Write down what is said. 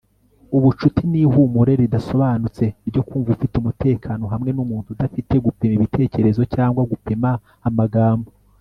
ubucuti ni ihumure ridasobanutse ryo kumva ufite umutekano hamwe numuntu, udafite gupima ibitekerezo cyangwa gupima amagambo